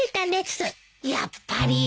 やっぱり。